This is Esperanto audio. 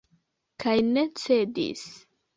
Kaj ne cedis.